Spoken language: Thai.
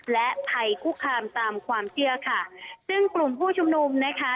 และภัยคุกคามตามความเชื่อค่ะซึ่งกลุ่มผู้ชุมนุมนะคะ